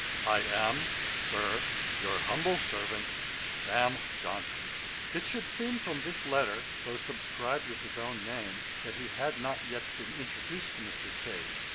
'I am, Sir, 'Your humble servant, 'SAM. JOHNSON.' It should seem from this letter, though subscribed with his own name, that he had not yet been introduced to Mr. Cave.